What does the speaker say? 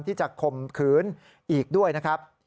ที่จะคมขืนอีกด้วยนะครับ